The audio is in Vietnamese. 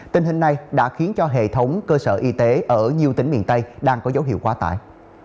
tình hình này đã khiến cho hệ thống cơ sở y tế ở nhiều tỉnh miền tây đang có dấu hiệu quá tải